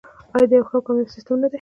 آیا د یو ښه او کامیاب سیستم نه دی؟